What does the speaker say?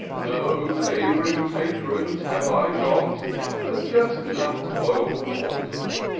No fav'ring patrons have I got. But just enough to boil the pot.